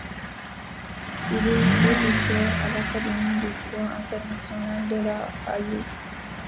Il est auditeur à l'Académie de droit international de La Haye.